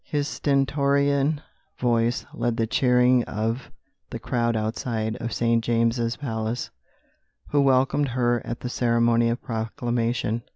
His stentorian voice led the cheering of the crowd outside of St. James's Palace who welcomed her at the ceremony of proclamation.